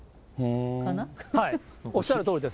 おっしゃるとおりです。